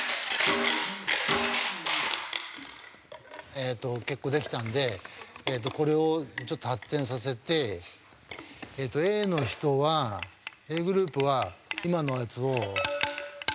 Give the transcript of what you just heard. えっと結構できたんでこれをちょっと発展させてＡの人はＡグループは今のやつを。